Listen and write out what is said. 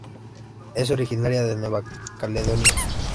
Es originaria de Nueva Caledonia.